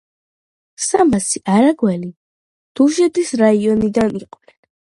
სამასი არაგველი დუშეთის რაიონიდან იყვნენ.